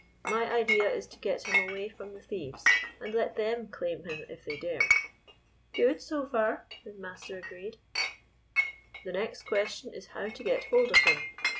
My idea is to get him away from the thieves, and let them claim him if they dare." " Good, so far," his master agreed. " The next question is how to get hold of him.